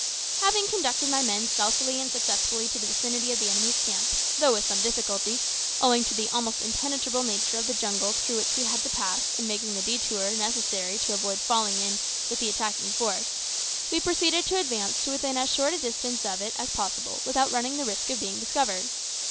Having conducted my men stealthily and successfully to the vicinity of the enemy's camp, though with some difficulty, owing to the almost impenetrable nature of the jungle through which we had to pass in making the detour necessary to avoid falling in with the attacking force, we proceeded to advance to within as short a distance of it as possible without running the risk of being discovered.